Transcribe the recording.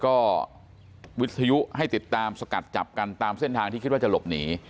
ก็วิทยุให้ติดตามสกัดจับกันตามเส้นทางที่คิดว่าจะหลบหนี